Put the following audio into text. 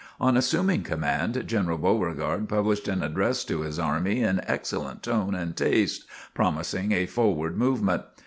On assuming command, General Beauregard published an address to his army in excellent tone and taste, promising a forward movement.